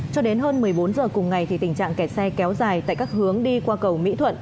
cho đến hơn một mươi bốn h cùng ngày thì tình trạng kẹt xe kéo dài tại các hướng đi qua cầu mỹ thuận